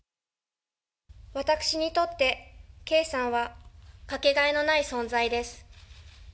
私にとって圭さんは掛けがえのない存在です。